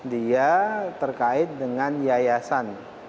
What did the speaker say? dia terkait dengan yayasan